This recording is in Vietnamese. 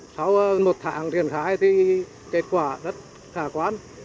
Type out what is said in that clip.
sau một tháng thiền khai thì kết quả rất khả quán